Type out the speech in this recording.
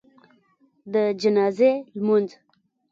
د جنازي لمونځ